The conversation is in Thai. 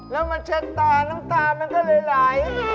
แล้วมันเช็ดตาน้ำตามันก็เลยไหล